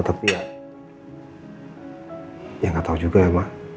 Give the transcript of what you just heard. tapi ya gak tau juga ya ma